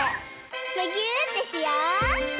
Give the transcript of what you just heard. むぎゅーってしよう！